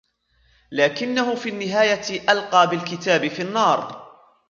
لكنه في النهاية ألقى بالكتاب في النار.